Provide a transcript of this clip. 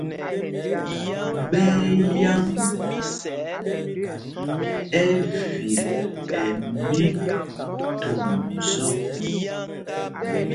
Ɓɛ́ ɛ́ yâŋ ɛvit ɛ mí Thumzɔ̂k.